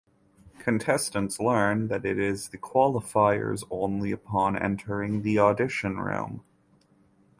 Contestants learn that it is the Qualifiers only upon entering the audition room.